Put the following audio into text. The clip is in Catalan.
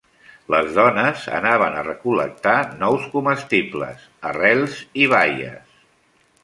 Les dones anaven a recol·lectar nous comestibles, arrels i baies.